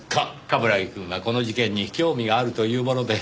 冠城くんがこの事件に興味があるというもので。